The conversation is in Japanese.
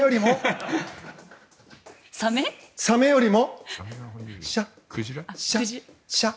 サメよりも？